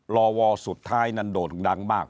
วอสุดท้ายนั้นโด่งดังมาก